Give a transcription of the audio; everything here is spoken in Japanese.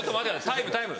タイムタイム。